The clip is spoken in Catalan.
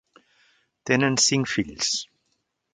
Tenen cinc fills.